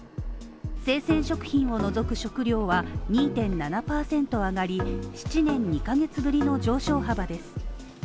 生鮮食品を除く食料は２．７％上がり７年２カ月ぶりの上昇幅です。